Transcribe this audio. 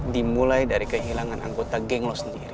dimulai dari kehilangan anggota geng lo sendiri